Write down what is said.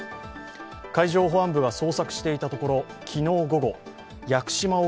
海上保安部が捜索していたところ、昨日午後屋久島沖